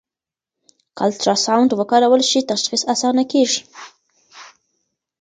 که الټراساؤنډ وکارول شي، تشخیص اسانه کېږي.